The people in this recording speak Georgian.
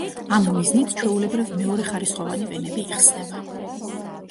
ამ მიზნით ჩვეულებრივ მეორეხარისხოვანი ვენები იხსნება.